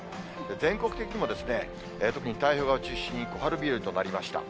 全国的にも特に太平洋側を中心に小春日和となりました。